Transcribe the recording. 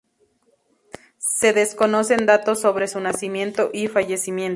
Se desconocen datos sobre su nacimiento y fallecimiento.